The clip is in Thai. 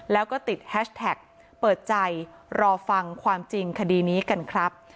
แล้วก็ติดแฮชแท็กเปิดใจรอฟังความจริงคดีนี้กันครับ